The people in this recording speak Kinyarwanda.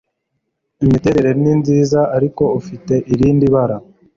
imiterere ni nziza, ariko ufite irindi bara